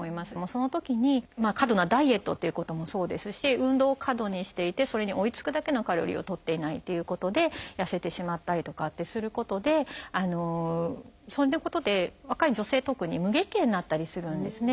そのときに過度なダイエットっていうこともそうですし運動を過度にしていてそれに追いつくだけのカロリーをとっていないということで痩せてしまったりとかってすることでそういうことで若い女性特に無月経になったりするんですね。